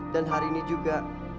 dan hari ini juga